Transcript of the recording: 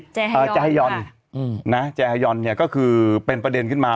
แจยอนนะแยอนเนี่ยก็คือเป็นประเด็นขึ้นมา